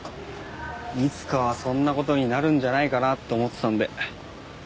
いつかはそんな事になるんじゃないかなって思ってたんで。